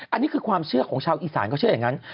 อันนี้คือความเชื่อของชาวอีสานเขาเชื่ออย่างนั้น